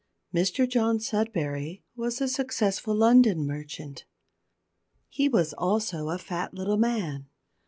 Mr John Sudberry was a successful London merchant. He was also a fat little man.